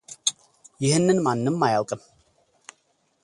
ይህንን ማንም አያውቅም፡፡